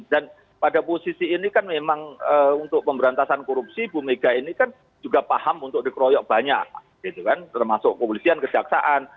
dan pada posisi ini kan memang untuk pemberantasan korupsi ibu megawati ini kan juga paham untuk dikeroyok banyak gitu kan termasuk kepolisian kejaksaan